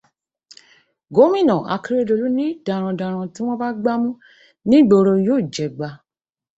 Gómìnà Akérédolú ní darandaran tí wọ́n bá gbámú nígboro yóò jẹgba